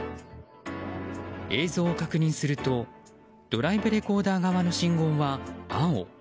映像を確認するとドライブレコーダー側の信号は青。